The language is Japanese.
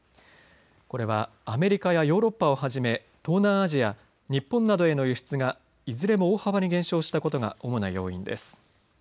これはアメリカやヨーロッパをはじめ東南アジア、日本などへの輸出がいずれも大幅に減少したことが主な要因です。